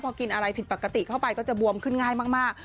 พอกินอะไรผิดปกติเข้าไปก็จะบวมขึ้นง่ายมาก